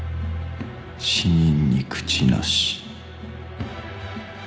死人に口なし